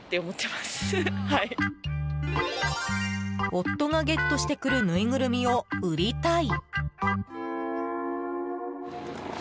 夫がゲットしてくるぬいぐるみを売りたい。